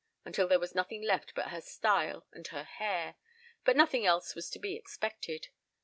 . until there was nothing left but her style and her hair. But nothing else was to be expected.